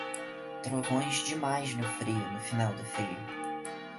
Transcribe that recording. Trovões demais no frio, no final do frio.